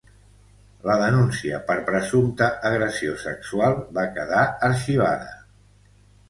La denúncia per presumpta agressió sexual va quedar arxivada.